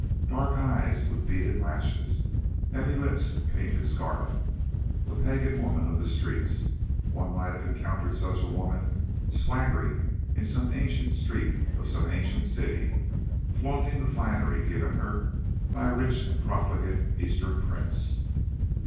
Dark eyes with beaded lashes. Heavy lips painted scarlet. A pagan woman of the streets. One might have encountered such a woman swaggering in some ancient street of some ancient city, flaunting the finery given her by a rich and profligate eastern prince.